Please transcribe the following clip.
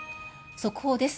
速報です。